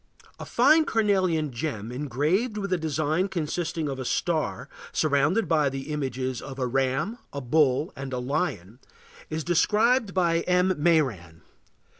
A fine carnelian gem engraved with a design consisting of a star surrounded by the images of a ram, a bull, and a lion, is described by M. Mairan.